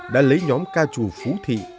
đã lấy nhóm ca trù phú thị